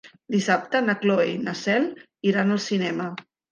Dissabte na Cloè i na Cel iran al cinema.